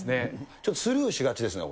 ちょっとスルーしがちですね。